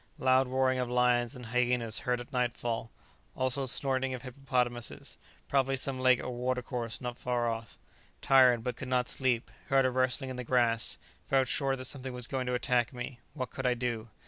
Loud roaring of lions and hyenas heard at nightfall, also snorting of hippopotamuses; probably some lake or water course not far off. Tired, but could not sleep; heard a rustling in the grass; felt sure that something was going to attack me; what could I do?